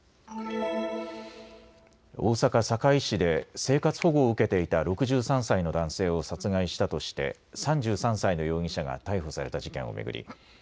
大阪堺市で生活保護を受けていた６３歳の男性を殺害したとして３３歳の容疑者が逮捕された事件を巡り